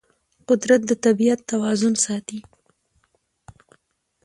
قدرت د طبیعت توازن ساتي.